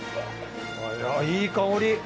いい香り。